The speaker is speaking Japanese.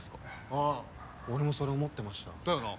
ああ俺もそれ思ってましただよな